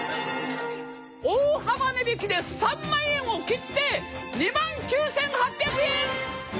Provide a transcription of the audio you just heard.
大幅値引きで３万円を切って２万９，８００円！